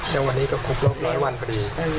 แค่วันนี้ก็คุกโรคร้อยวันพอดี